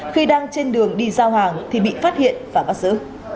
khi đang trên đường đi giao hàng thì bị phát hiện và bắt giữ